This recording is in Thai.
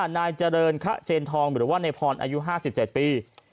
๕นายเจริญคเจนทองหรือว่าในพรรดิอายุ๕๗ปี